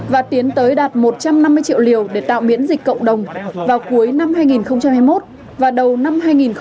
và tiến tới đạt một trăm năm mươi triệu liều để tạo miễn dịch cộng đồng vào cuối năm hai nghìn hai mươi một và đầu năm hai nghìn hai mươi năm